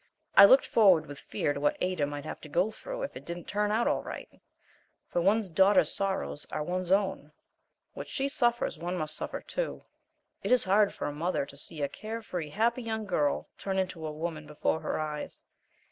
I looked forward with fear to what Ada might have to go through if it didn't turn out all right. For one's daughter's sorrows are one's own; what she suffers one must suffer, too. It is hard for a mother to see a care free, happy young girl turn into a woman before her eyes.